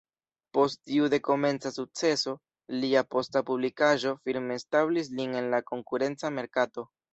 Post tiu dekomenca sukceso, lia posta publikaĵo firme establis lin en la konkurenca merkato.